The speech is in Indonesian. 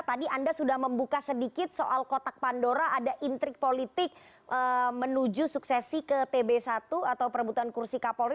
tadi anda sudah membuka sedikit soal kotak pandora ada intrik politik menuju suksesi ke tb satu atau perebutan kursi kapolri